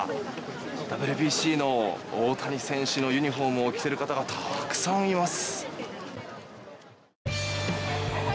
ＷＢＣの大谷選手のユニホームを着ている方がたくさんいます。